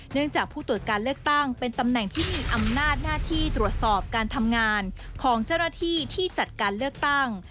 จากผู้ตรวจการเลือกตั้งเป็นตำแหน่งที่มีอำนาจหน้าที่ตรวจสอบการทำงานของเจ้าหน้าที่ที่จัดการเลือกตั้ง